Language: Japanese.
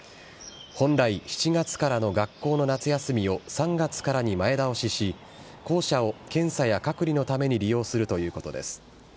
本来、７月からの学校の夏休みを３月からに前倒しし、校舎を検査や隔離のために利用するということです。